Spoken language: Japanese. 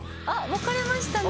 分かれましたね。